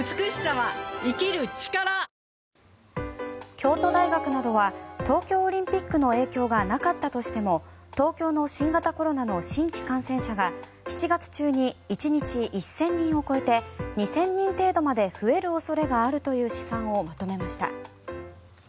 京都大学などは東京オリンピックの影響がなかったとしても東京の新型コロナの新規感染者が７月中に１日１０００人を超えて２０００人程度まで増える恐れがあるという試算をまとめました。